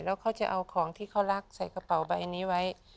แล้วเขาจะเอาของที่เขารักใส่กระเป๋าใบนี้ไว้